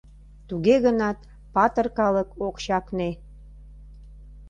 Туге гынат патыр калык ок чакне...